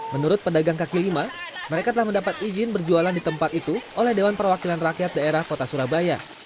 menurut pedagang kaki lima mereka telah mendapat izin berjualan di tempat itu oleh dewan perwakilan rakyat daerah kota surabaya